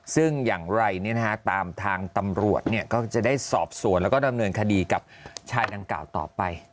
ซึ่งอย่างไรตามทางตำรวจก็จะได้สอบสวนแล้วก็ดำเนินคดีกับชายดังกล่าวต่อไป